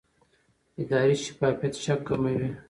اداري شفافیت شک کموي